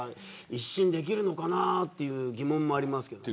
一新できるのかなという疑問もあります。